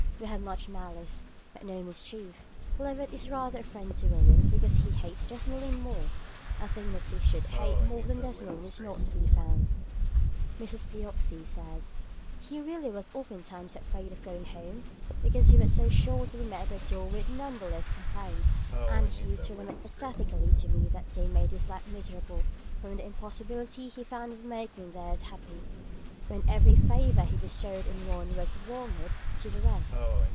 We have much malice, but no mischief. Levett is rather a friend to Williams, because he hates Desmoulins more. A thing that he should hate more than Desmoulins is not to be found.' Piozzi Letters, ii. 80. Mrs. Piozzi (Anec. p. 213) says: 'He really was oftentimes afraid of going home, because he was so sure to be met at the door with numberless complaints; and he used to lament pathetically to me that they made his life miserable from the impossibility he found of making theirs happy, when every favour he bestowed on one was wormwood to the rest.